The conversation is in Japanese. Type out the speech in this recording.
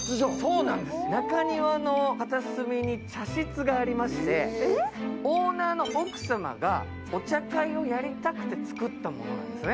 中庭の片隅に茶室がありましてオーナーの奥様がお茶会をやりたくて造ったものなんですね。